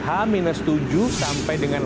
h tujuh sampai dengan